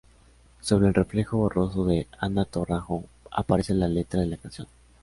Sobre el reflejo borroso de Ana Torroja aparece la letra de la canción.